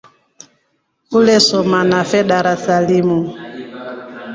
Ulesoma nafe darasa limu.